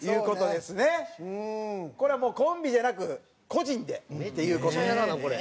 これはもうコンビじゃなく個人でっていう事で。